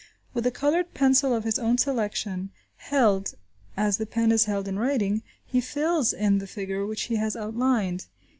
With a coloured pencil of his own selection, held as the pen is held in writing, he fills in the figure which he has outlined.